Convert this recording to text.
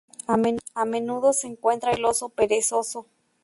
A menudo se encuentra el oso perezoso.